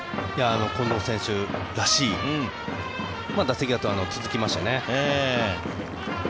近藤選手らしい打席が続きましたよね。